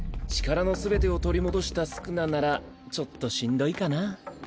力の全てを取り戻した宿儺ならちょっとしんどいかな。